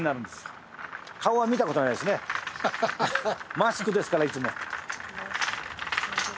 マスクですからいつも。